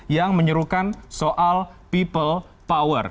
yang menyerukan soal people power